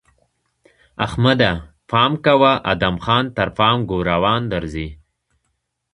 احمده! پام کوه؛ ادم خان تر پام ګوروان درځي!